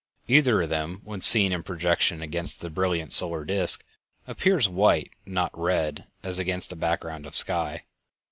Either of them, when seen in projection against the brilliant solar disk, appears white, not red, as against a background of sky.